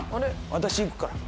私行くから。